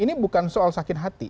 ini bukan soal sakit hati